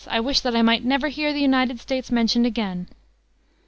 I wish that I might never hear the United States mentioned again."